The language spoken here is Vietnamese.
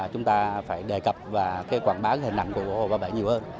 chúng ta phải đề cập và cái quảng bá hình ảnh của hồ bà bảy nhiều hơn